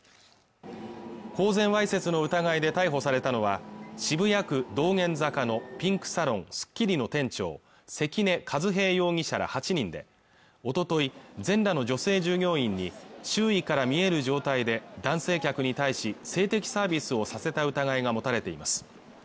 公然わいせつの疑いで逮捕されたのは渋谷区道玄坂のピンクサロンスッキリの店長関根和平容疑者ら８人でおととい全裸の女性従業員に周囲から見える状態で男性客に対し性的サービスをさせた疑いが持たれています